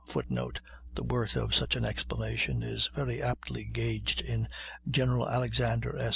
[Footnote: The worth of such an explanation is very aptly gauged in General Alexander S.